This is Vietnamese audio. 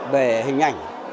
về hình ảnh